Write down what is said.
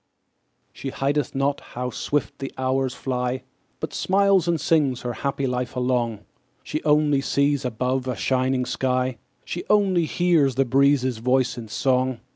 She heedeth not how swift the hours fly, But smiles and sings her happy life along; She only sees above a shining sky; She only hears the breezes' voice in song.